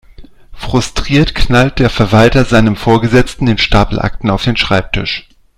Frustriert knallt der Verwalter seinem Vorgesetzten den Stapel Akten auf den Schreibtisch.